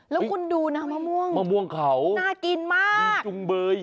แล้วคุณดูนะมะม่วงน่ากินมากจุงเบย